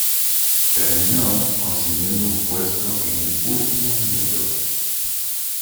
Terminó consiguiendo un puesto en el último minuto".